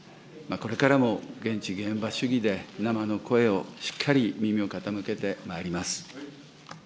これからも現地現場主義で生の声をしっかり耳を傾けてまいります。